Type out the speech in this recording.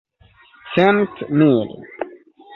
centmil